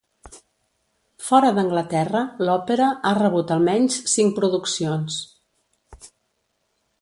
Fora d'Anglaterra, l'òpera ha rebut almenys cinc produccions.